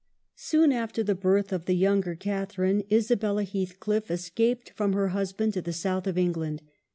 Soon after the birth of the younger Catharine, Isabella Heathcliff escaped from her husband to the South of England.